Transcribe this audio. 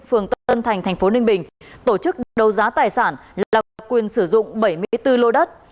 phường tân thành tp ninh bình tổ chức đấu giá tài sản là quyền sử dụng bảy mươi bốn lô đất